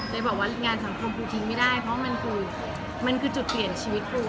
บอกว่างานสังคมปูทิ้งไม่ได้เพราะมันคือมันคือจุดเปลี่ยนชีวิตปู